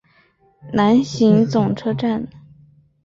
南行总站列车利用第四大道以西的转辙器进入南行快车轨道。